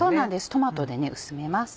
トマトで薄めます。